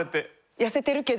痩せてるけど。